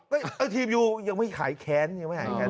ต่อถีบยูยังไม่หายแก๊นยังไม่หายแก๊น